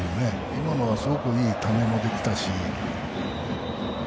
今のはすごくいいためもできたし。